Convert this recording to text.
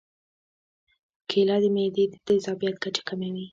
کېله د معدې د تیزابیت کچه کموي.